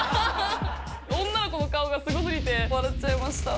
女の子の顔がすごすぎて、笑っちゃいました。